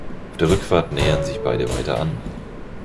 Auf der Rückfahrt nähern sich beide weiter an.